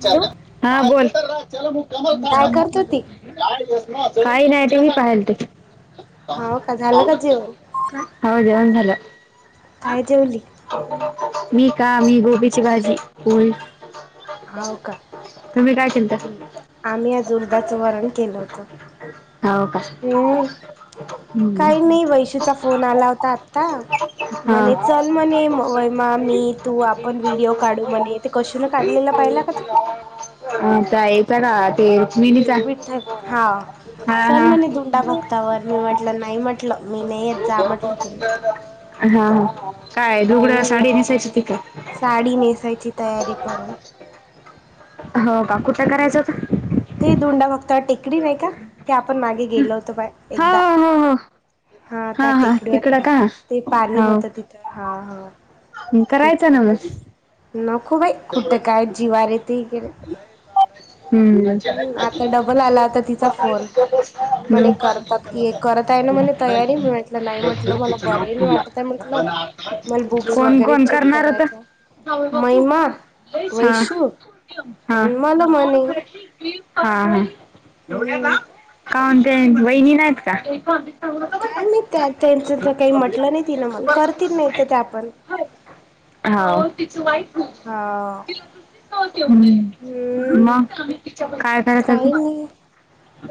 Hello हा बोल. काय करत होती काही नाही ते मी पाहिल ते हाव का झालं का जेवण होौज वंद झाला. काय देेवली. मी का मी गोबीची भाजी फल. होा का् काय केलता आम्ही आज उर्धाचं वरण केलं होतं. हो का? हम्म हम्म. काही नाही वैशूचा फोन आला होता आत्ता म्हणे हा चल म्हणे. म मी तू आपण व्हिडिओ काढू म्हणे ते कशूनून काढलेलं पाहिला तू आता येत का ते मिनीचा विठ्ठल हा. हा चल हा म्हणे धुंडा फक्तावर मी म्हटलं नाही म्हटलं मी नाही येत जा म्हटलं तुम्ही? हा काय दढुगड्या हम्म साडी नेसायची होती का काय? साडी नेसायची तयारी करून हो का कुठं करायचं होता. ते दोंडा फाक्त टेकडी नाही का ते आपण मागे गेलो होतो बा हो एकदा हो हो हा त्या हा टेकडीवर तिकडं का ते पाणी हो होतं तिथं हा हा. करायचं ना मग ना खूप आहे खुटं काय जीवार य ते वैरे हम्म. हम् आता डबल आला आता तिचा फोन म्हणे करतात करत आहे ना म्हणे तयारी मी म्हटलं नाही म्हटलं मला बरं नाही वाटत. आहे म्हटलं मला बुक्स कोण वगैरे कोण चेक करणार होता. करायच्या महिमा हा वैशू हा. आणि मला म्हणे हा हम्म काय म्हणते वैन नाहीत का? काय मी त्या त्यांच तर काही म्हटलं नाही ति ना म करतील नाही तर त्या पण तिच वाईट हा. हा. हम्म मग काय कराय जाती. काही नाही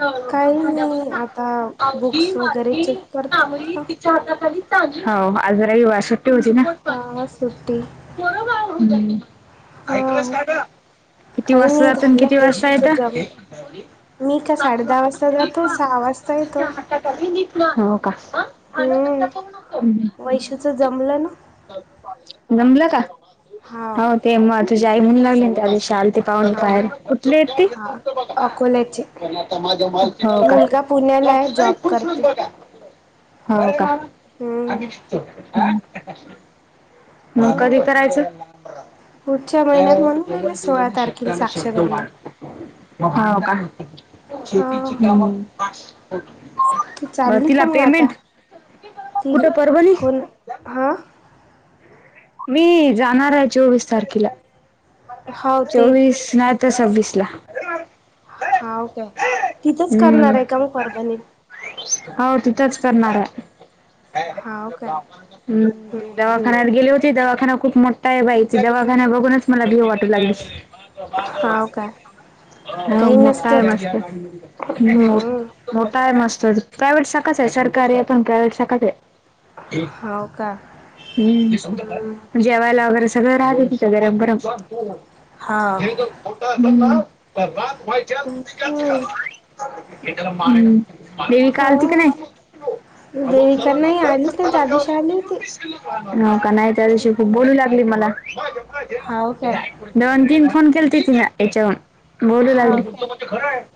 हो हो काही दड नाही ब आता आी बुक्स वगैरे माझी चेक करतो म्हटलं. हो आज रविवार सुट्टी होती ना. हा सुट्टी कोरो का करड. हा ऐक किती काही वाजता नाही जात झालं किती वाजता वैशूच जम य मी का साडे दहा वाजता जातो सहा वाजता येतो. हो का? हम्म वैशूच जमलं ना जमलं का हा हो ते म तुझी आई म्हणू लागली त्या दिवशी. आलते पाऊून हा पहायाला, कुठली आहेत ती? हा अकोल्याचे मुलगा पुण्याला आहे हो जॉब करते. का! हाव का? हम्म मग कधी हा करायचं? पुढच्या काय महिन्यात आहे म्हणून जवळ राहिले सोळा केलं की तारखेला शब्दाला शब्द साक्षगंध वाढतो. हाव का. हा तू म चालली तिला का मग आता पेमेंट कुठं परभणी? आ? मी जाणार आहे चोवीस तारखेला. हाव ते चोवीस नाय तर सव्वीस ला. हाऊ काय तिथंच करणार हाय का मग परभणीत? हाव तिथच करणार हाय. हाव काय हम्म हम्म हम्म दवाखान्यात गेली होती दवाखाना खूप मो ठा हाय बाई दवाखाना बघूनच मला भीव वाटू लागली. हाव काय हा काही मग नसते काय होत वाजतंय? हम्म मोठा आहे मस्त प्रायव्हेट शाखच आहे सरकारी आहे पण प्रायव्हेट शाखच हाय. हाव का हम्म! हम्म जेवायला वगैरे सगळं राहत तिथ गरम गरम. हाव हम्म हम्म हम्म! देवीका आलती का हाव नाय? हाव देविका नाही आलीच नाही त्या दिवशी आली होती का नाही त्या दिवशी खूप बोलू लागली मला. हाव काय दोन तीन फोन केलती तीला याच्यावन. बोलू हाव लागली. काय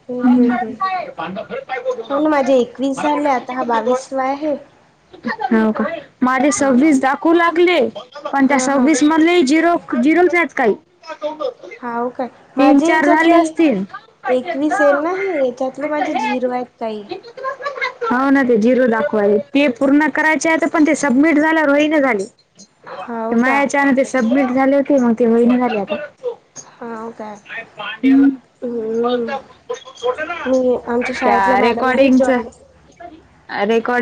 हम्म हम्म हम्म हो ना माझे एकवीस झाले आता हा बावीस वा आहे. हो का माझे हा सव्वीस दाखवू लागले पण त्या हा हा सव्वीस मधले झिरो झिरोच आहेत काय. हाव काय माझे याच्यातली एकवीस येत ना हे त्यांच्यातले माझे झिरू आहेंत ताई. हो ना ते झिरो दाखवायले ते पूर्ण करायचे आता पण ते सबमिट झाल्यावर होईना झालय. हाव का मायाच्यान ते सबमिट झाले होते मग ते होईना झाले आता. हाव काय [unintelligible] हम्म मी आमच्या त्या शाळेतल्या मॅडमली रेकॉर्डिंगच जॉईन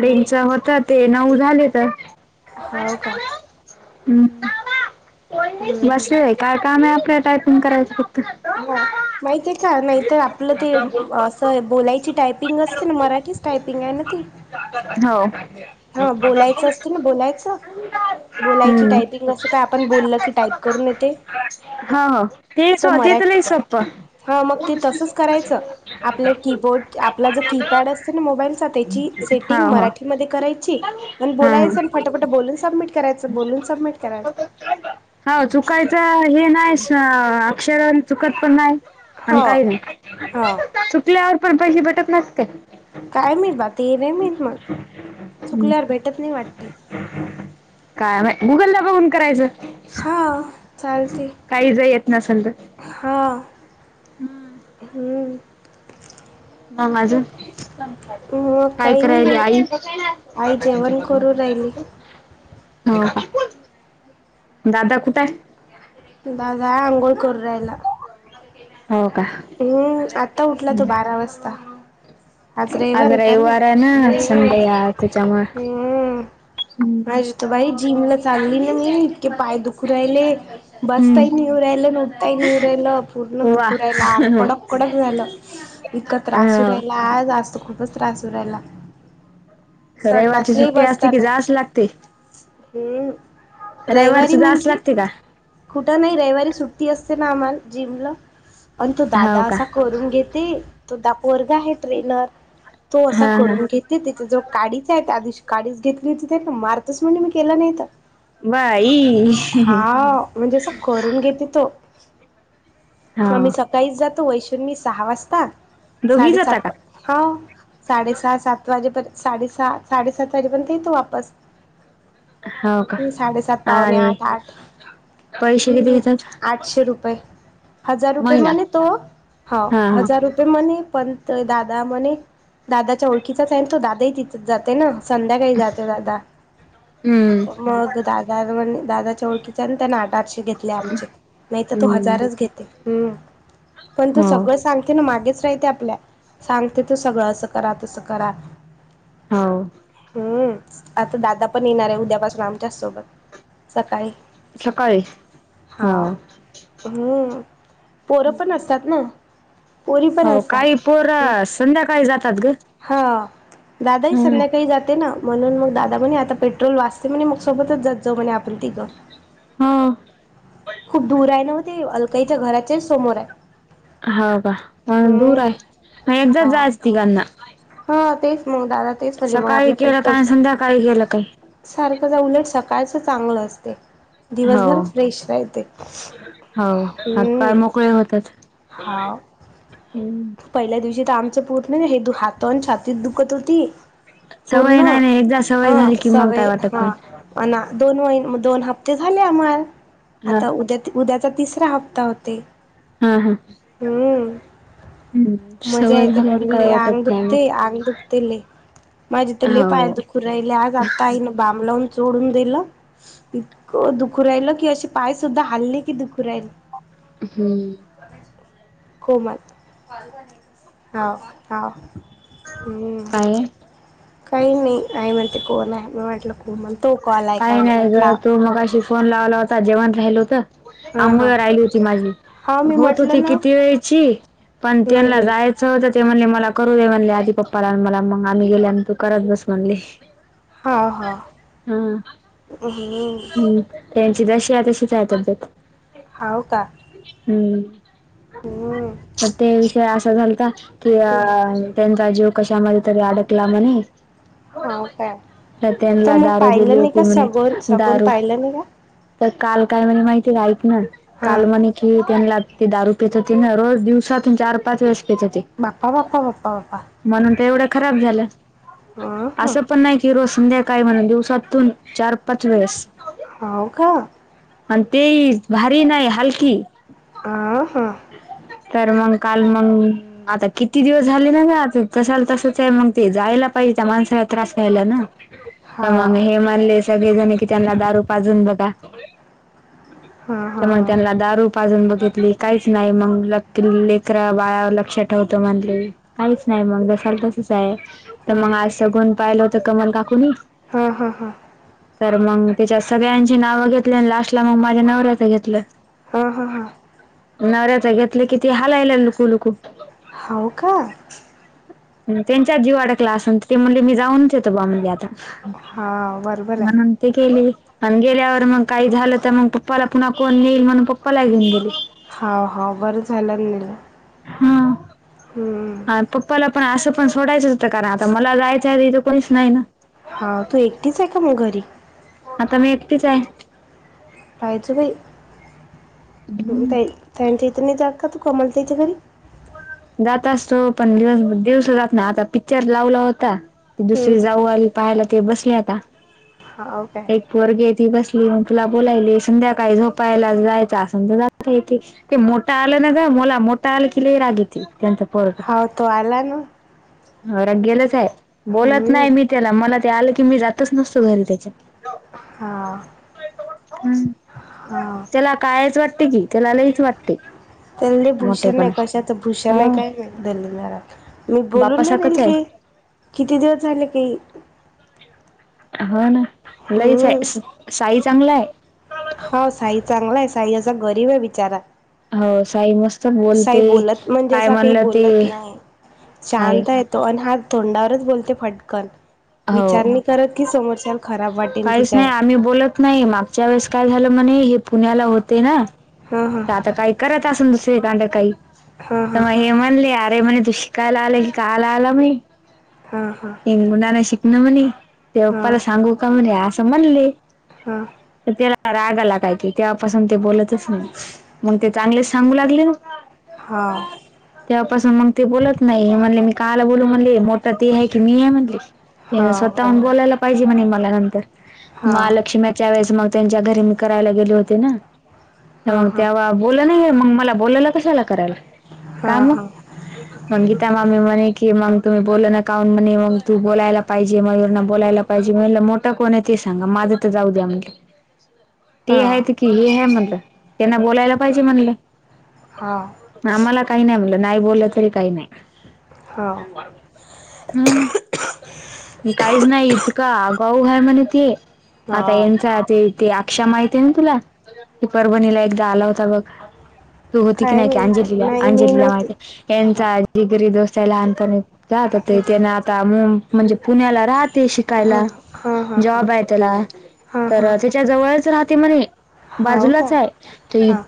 ह च होत ते नऊ झालेत. हाव का हम् हम्म बस हम्म काय काम आहे आपल्या टायपिंग करायचं. हा माहिती आहे का नाहीतर आपलं ते असं बोलायची टाईप पिंग असते मराठीच टायपिंग आहे ना ती? हो! हा बोलायचं असत ना बोलायचं बोलायची हम्म. टायपिंग असं काय आपण बोललं की टायप करून येतय. हो तेच ओ ते तर लय सोप्प. हा मग ते तसंच करायचं आपल्या कीबोर्ड आपला जो कीपॅड असते ना मोबाईलचा त्याची सेटिंग हो. मराठीमध्ये कराय ची म हा बोलायचं फटाफट बोलून सबमिट करायचं बोलून सबमिट करायचं. हो चुकायचं हे नाही अक्षर अन चुकत पण नाय. अन हो काय नाय हो चूकल्यावर पण पैशे भेटत नाय काय? काय माहित बा ते नाई माहित मला चुकल्यावर भेटत नाही वाटत. काय माय गुगल ला बघून करायचं. हा काही ज येत नसल त हां हूं मंग अजून काय काही नाही कराईला बाई आईनंते? आई जेवण करू राहिली. हा दादा कुठं हाय? दादा आंगोळ करूं रायला. हो का. हम्म आता उठला तो बारा वाजता. आज रयवार होता ना रविवार आहे ना संडे आहे त्याच्यामुळे हम्म आज ज बाई जीमला चाललीं न मी इतके पाय दुख राहिले. बसता हम्म. ही नी येऊ राहिलं न उटताही नी येऊ राहिल पूर्ण वा दुखू राहिला आंग कडक कंडच झालं. इतका त्रास होऊ रायला अ आज, आज त खूपच त्रास होऊ रायला. रविवारची संडासलाही सुट्टी असते बसता की नाय जाच लागते - हम्म रविवारच रयवारी जाच म्हणजे लागते का कुठं नाही रयवारी सुट्टी असते ना आम्हाला जिमला पण तो दादा हो का असा करून घेत ती तो दा पोरगा हाय ट्रेनर तो असा हा हा करून घेत की त्याच्या जवळ काडीच हाय त्या दिवशी काडीच घेतली होती त्यान मारतच म्हण केलं नाय त बाई हा म्हणजे अस करून घेते तो पण हो असं काहीच जातो वैशु नं मी सहा वाजता दोघी जाता साडेसात का हा साडे सहा सात वाजेपर्यंत साडे सहा साडेसात वाजेपर्यंत येतो वापस. हो का हम्म साडेसात पावंणे आणि आठ आठ पैसे हम्म किती हं घेतात आठशे रुपये. हजार रुपये महिना म्हणे तो हावं हा हा हजार रुपये म्हणी पण तर दादा म्हणे दादाच्या ओळखीचाच आहे तो दादाही तिथच जाते ना. संध्याकाळी जातो दादा हम्म मग म दादा मण दादाच्या ओळखीचाय न त्यां आठ आठशे घेतले आमचे नाहीत तो हम्म हजारच घेते. हम्म पण तो हो सगळं सांगते ना मागेच रायते आपल्या सांगते तो सगळं असं करा तसं करा. हाव हम्म आता दादा पण येणार ये उद्यापासून आमच्याच सोबत सकाळी सकाळी हा हम्म हम्म पोरं पण असतात ना पोरी पण हो असतात. काही पोर संध्याकाळी जातात ग हा दादा ही हम्म. संध्याकाळी जाते ना. म्हणून म दादा म्हणे आता पेट्रोल वाचते म्हणे म सोबतच जात जाऊ म्हणे आपण तिघं. हो खूप दूर आहे ना ओ ते अलकाईच्या घराचे समोर आहे. ह का मंग दूर हम्म हाय हा नेतजा आज तिघांना हा तेच मंग दादा तेच झाले मग सकाळी आपल्या केलं काय आणि पेट्रोलचा संध्याकाळी केलं काय. सारखं जा उलट सकाळचं चांगलं असतय. हो हो हात पाय हम्म मोकळे होतात. हा. हम्म पहिल्या दिवशी त आमचं पूर्ण हे हात अनं छातीत दुखत होती. सवय पूर्ण नाही नाही एकदा सवय ह झाली की मग काय सवय वाटत हा नाही. अना दोन म दोन हप्ते झाले आम्हाल हा आता उद्या उद्याचा तिसरा हप्ता होते. हा हा हम्म मजा सवय येते पण झाल्यावर काय लय अंग वाटत दुक नाही मग. आंग दुखते लय माझे त लय पाठ हो दुखू राहिले आज आता आईने बाम लावून चोडून दिल. इतकं दुखु राहिल की असे पाय सुद्धा हाल्ले की दुखु राहिल. हम्म कोमल हा हा हम् [unintelligible] काही नाही आई म्हणते कोण आहे मी म्हटलं को म्हणतो कॉल ऐका म्हणते म्हटला मग फोन लावला होता जेवण राहिल होत हा अंघोळ हा राहिली होती माझी हा मी होत होती म्हटलं ना किती व पण हम्म त्यां हम्म जायच होतं ते म्हणले मला करू दे म्हणले आधीप्पाला मला मग आम्ही गेल्या आणि तू करत बस म्हणले हाव हा हा हम्म हम्म त्यांची जशी आहे तशीच आहे तब्बेत हाव का हम्म ते विषय असा झालता कि अ हम्म तेंत जीव कशा माध तरी अडकला म आणि हो काय तर त्यांला मग दारू दिली पाहिलं नाही होती का म्हणे सगून सगून दारू पाहिलं नाही का तर काल काय म्हणे माहिती राहत ना हा काल म्हणे कि त्यांना ते दारू पेत होती ना रोज दिवसातून चार पाच वेळेस पेत होते बापा बापा बापा बापा म्हणून ते एवढं खराब झालं हा हा असं पण नाही की रोस संध्या काय म्हणा दिवसातून चार पाच वेळेस हो का आणि ते भारी नाही हलकी. आ हां तर मग काल मग आता किती दिवस झाले ना ग तसाला तसच आहे मग ते जायला पाहिजे त्या माणसाला त्रास व्हायला ना तर मग हाव हे म्हणले सगळेजणी की त्यांना दारू पाजून बघा. हा ते हा मग हा त्यांला दारू जून बघितली काहीच नाही मग ल लेकरा बाया लक्षात ठेवत म्हणली काहीच नाही मग जसाल तसच आहे तर हा मग आज सगून पाहिलं होत कमल काकुणी हा-हा-हा तर मग त्यािच्या सगळ्यांची नावं घेतली आणि लास्टला मग माझ्या नवऱ्याचं घेतलं हा हां हां नवऱ्याच घेतलं किती हालायला लुकु लुकू हो का त्यांच्या जीव अडकला अस ते म्हली मी जाऊनच येतो बा म्हली आता हा बरोबर आहे. म्हणून ते ग केले आणि गेल्यावर मग काही झालं तर मग पप्पाला पुन्हा कोण नेईल म्हणून पप्पाला घेन गेले हा हा बरं झालं मला हा पप्पाला पण असं पण सोडायचं होतं कारण आता मला जायचंथ कोणीच नाही ना हा तू एकटीच आहे का मग घरी? आता मी एकटीच आहे पायच बाई त्यांच्या इथ नाही जात का तू कमलतच्या घरी? जात असतो पण दिवस दिवस जात ना आता पिक्चर लावला होता क हम्म दुसरी जाऊ आ पाहायला ते बसले आता हा काय एक पोरगी ती बसली मग तुला बोलायली संध्याकाळी झोपायला जायचं असन तर जाता येते. ते मोठा आलं ना ग मला मोठा आलं कि लई रागी त्यांच परर हाव तो आला ना. गेलच आहे बोलत हम्म. नाही मी त्याला मला ते आलं की मी जातच नसतो घरी त्याच्यात.... हा.... हम त्याला कायच वाटते कि त्याला लईच वाटते... त्याला लई भूषण मोठेपणा आहे कशाचं भूषण हा आहे काय दलिलदार... मी बोलून नाही राहील बापासारखंच आहे. की किती दिवस झाले की..... हो ना लईच हम्म. आहे साई चांगला आहे.... हा साई चांगला आहे साई असा गरीब आहे बिचारा.... हो साई मस्त... साई बोलते. बोलत म्हणजे अस काय काही म्हणलं बोलत ते नाही नाही शांत आहे.... दोन हात तोंडावरच बोलते फटकन... हो. विचार म करत की समोरच्याल खराब वाटेल की काय? मी बोलत नाही मागच्या वेळेस काय झालं म्हणे हे पुण्याला होते ना हा तर आता काय? करत असून दुसरी कांड काही हा तर हा मग हे म्हणले अरे म्हणे तुझ.... कायला आले क कायला आला म... हा...... हा.... मुलांना शिकण म्हणे ते पप्पाला सांगू का म्हणे असं म्हणले... हां..... तर त्याला राग आला काय कि तेव्हा पासून ते बोलतच नाही मग ते चांगलेच... सांगू लागले ना.... हा..... तेव्हापासून मग ते बोलत नाही म्हणले मी काहाला बोलू म्हणले मोठा ते आहे की मी आहे म्हणले.... हा त्यानं हा स्वतःहून बरोबर बोलायला पाहिजे म्हणे मला नंतर हा महालक्ष्मी... त्या वेळेस मग त्यांच्या घरी मी करायला गेले होते ना मग हा हा तेव्हा तेव्हा.... बोला नाही मग मला बोलायला कशाला करायला का मग काम.... मग गीता मामी म्हणे की मग तुम्ही बोलनात.... का हून म्हणे मग तू बोलायला पाहिजे मयूर न बोलायला पाहिजे म्हण मोठं कोण आहे ते सांगा माझं तर जाऊ द्या म्हणलं. [unintelligible] ते आहेत की हे आहे म्हटलं त्यांना बोलायला पाहिजे म्हटलं. हां..... आम्हाला काही नाही म्हणलं नाही बोललं तरी काही नाही. हो..... हम...... काहीच नाही इतका गाऊ ह म्हणे ते.... आता हा यांचा ते.... ते...... अक्षा माहितीय आहे ना तुला की परभणीला एकदा आला होता बघ..... तू होती की काय नाही की माहित अंजलीला नाही मी अंजलीला नव्हती माहित हा यांचा जिगरी दोस्त आहे लहानपणीचा..... ते त्याना आता म्हणजे पुण्याला राहते हा शिकायला हा हा हा जॉब आहे त्याला.... हा तर हा त्याच्या जवळच राहते म्हणे हाव का बाजूलाच आहे ती...... हा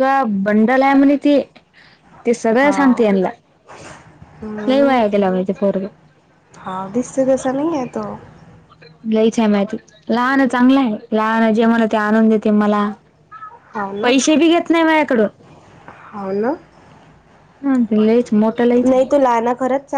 त बंडल आहे म्हणे ती......... ते सगळं हाव सांगते यांला लय वाया गेला बाई...... हा दिससे जसा नाही आहे तो... लयच हाय माय ते..... लहान चांगलं आहे लहान जेवण ते आणून देते मला..... पैसे बी घेत नाही माझ्याकडं..... हा ना..... हम्म ते लईच मोट लईच नाही हाय..... तो लहाना खरंच